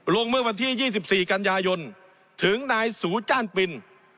ลงเมื่อวันที่ยี่สิบสี่กันยายนถึงนายสูตร้านปิน